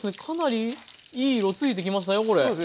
かなりいい色ついてきましたよこれ。